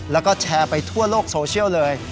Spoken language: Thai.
แล้วก็แชร์ไปทั่วโลกโซเชียลเลย